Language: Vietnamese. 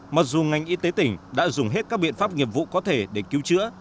mặc dù ngành y tế tỉnh đã dùng hết các biện pháp nghiệp vụ có thể để cứu chữa